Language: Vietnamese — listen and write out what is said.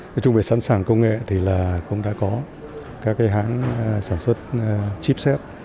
nói chung về sẵn sàng công nghệ thì là cũng đã có các cái hãng sản xuất chip set